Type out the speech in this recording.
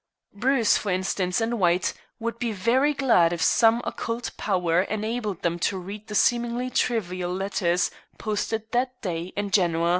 Bruce, for instance, and White would be very glad if some occult power enabled them to read the seemingly trivial letters posted that day in Genoa.